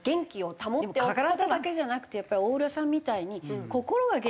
体だけじゃなくてやっぱり大浦さんみたいに心が元気。